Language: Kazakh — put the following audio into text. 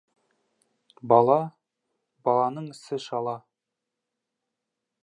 Бала, баланың ісі шала.